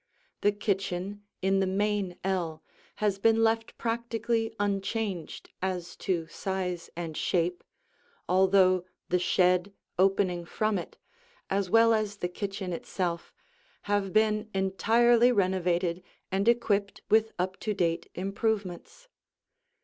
The kitchen in the main ell has been left practically unchanged as to size and shape, although the shed opening from it, as well as the kitchen itself, have been entirely renovated and equipped with up to date improvements.